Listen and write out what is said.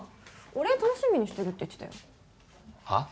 「お礼楽しみにしてる」って言ってたよはっ？